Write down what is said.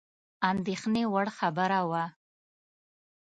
اندېښني وړ خبره وه.